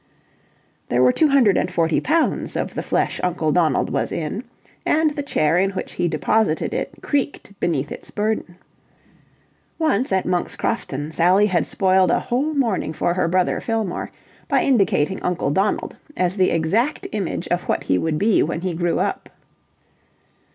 There were two hundred and forty pounds of the flesh Uncle Donald was in, and the chair in which he deposited it creaked beneath its burden. Once, at Monk's Crofton, Sally had spoiled a whole morning for her brother Fillmore, by indicating Uncle Donald as the exact image of what he would be when he grew up.